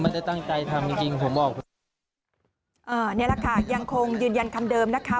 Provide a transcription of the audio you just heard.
นี่แหละค่ะยังคงยืนยันคำเดิมนะคะ